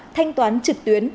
thánh toán trực tuyến